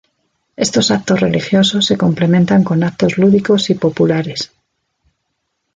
Estos actos religiosos se complementan con actos lúdicos y populares.